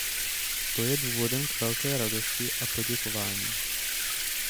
To je důvodem k velké radosti a poděkování.